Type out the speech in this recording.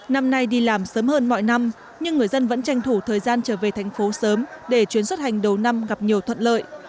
năm nay đi làm sớm hơn mọi năm nhưng người dân vẫn tranh thủ thời gian trở về thành phố sớm để chuyến xuất hành đầu năm gặp nhiều thuận lợi